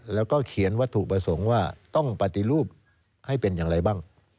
แล้วก็เขียนวัตถุประสงค์ว่าต้องปฏิรูปให้เป็นอย่างไรบ้าง